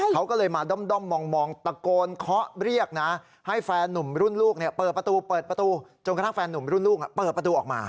เขาก็เลยมาด้อมมองตะโกนเคาะเรียกนะให้แฟนนุ่มรุ่นลูกเปิดประตูเปิดประตูจนกระทั่งแฟนหนุ่มรุ่นลูกเปิดประตูออกมา